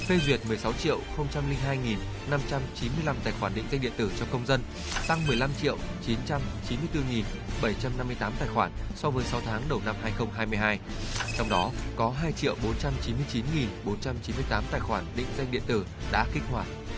em chưa có tài khoản định danh